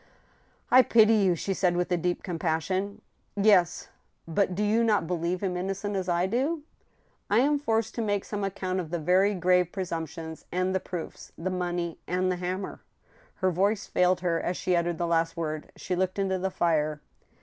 " I pity you !" she said, with deep compassion. " Yes — but you do not believe him innocent, as I do ?"" I am forced to make some account of the very grave presump tions and the proofs — the money and the hammer." Her voice failed her as she uttered the last word. She looked into the fire.